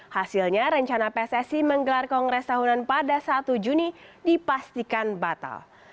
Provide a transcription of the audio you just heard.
hasilnya rencana pssi menggelar kongres tahunan pada satu juni dipastikan batal